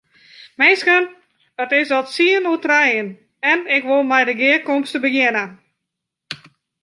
Minsken, it is al tsien oer trijen en ik wol mei de gearkomste begjinne.